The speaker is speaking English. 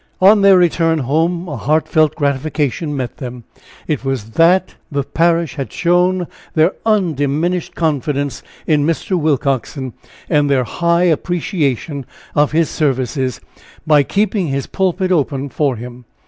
On their return home a heartfelt gratification met them it was that the parish had shown their undiminished confidence in Mr. Willcoxen, and their high appreciation of his services, by keeping his pulpit open for him.